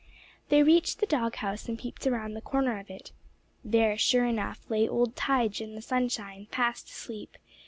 They reached the dog house and peeped around the corner of it. There, sure enough, lay old Tige in the sunshine, fast asleep.